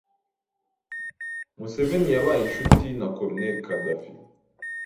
Museveni yabaye inshuti na Colonel Gadhafi